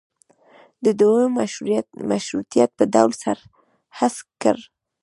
د دویم مشروطیت په ډول سر هسک کړ.